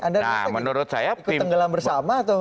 anda ikut tenggelam bersama atau